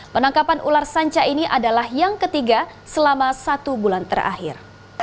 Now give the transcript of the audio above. penangkapan ular sanca ini adalah yang ketiga selama satu bulan terakhir